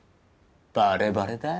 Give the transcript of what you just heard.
バレバレだよ。